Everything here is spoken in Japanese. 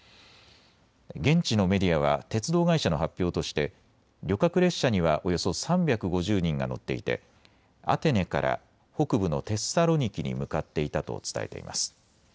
現地のメディアは鉄道会社の発表として旅客列車にはおよそ３５０人が乗っていてアテネから北部のテッサロニキに向かっていたと伝えています。